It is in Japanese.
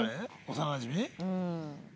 幼なじみ？